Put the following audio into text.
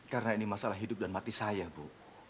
karena ini masalah hidup dan mati saya bu